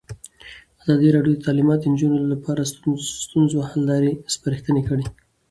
ازادي راډیو د تعلیمات د نجونو لپاره د ستونزو حل لارې سپارښتنې کړي.